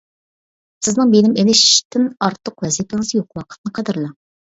سىزنىڭ بىلىم ئېلىشتىن ئارتۇق ۋەزىپىڭىز يوق، ۋاقىتنى قەدىرلەڭ.